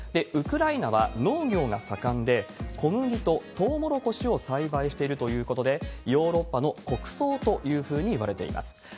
ウクライナは農業が盛んで、小麦とトウモロコシを栽培しているということで、ヨーロッパの穀倉というふうにいわれています。